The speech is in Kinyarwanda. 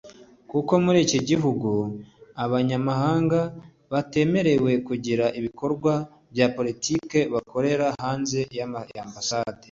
kuko muri iki gihugu abanyamahanga batemerewe kugira ibikorwa bya politiki bakorera hanze y’ambasade yabo